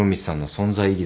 存在意義？